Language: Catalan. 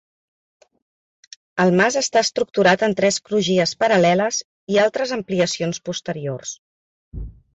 El mas està estructurat en tres crugies paral·leles i altres ampliacions posteriors.